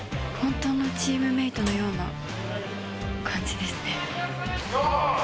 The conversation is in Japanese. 本当のチームメイトのような感じですね・